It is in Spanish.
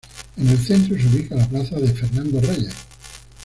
En el centro se ubica la plaza de Fernando Reyes.